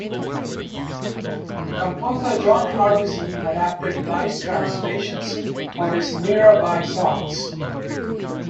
Composer John Harbison adapted Bly's translations for his Mirabai Songs.